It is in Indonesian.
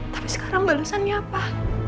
tapi sekarang balesannya apa